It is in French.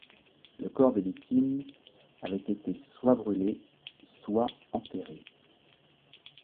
Les corps des victimes avaient été soit brûlés soit enterrés.